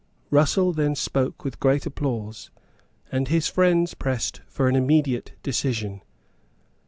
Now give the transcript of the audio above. Russell then spoke with great applause; and his friends pressed for an immediate decision.